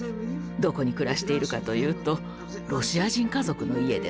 どこに暮らしているかというとロシア人家族の家です。